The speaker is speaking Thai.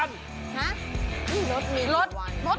ฮะรถมีกี่วัน